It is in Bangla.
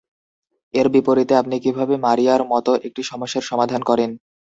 এর বিপরীতে, আপনি কীভাবে মারিয়ার মতো একটা সমস্যার সমাধান করেন?